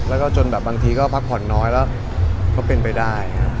แล้วก็จนบางทีก็พักผ่อนน้อยแล้วเขาเป็นไปได้